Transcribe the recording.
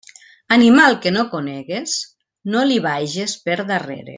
Animal que no conegues, no li vages per darrere.